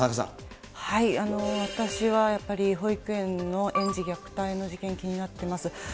私はやっぱり保育園の園児虐待の事件、気になってます。